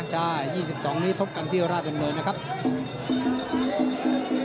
เจอกันวันที่๒๒นี้พบกันที่เวทีมวยราชดำเนินที่ราชดำเนิน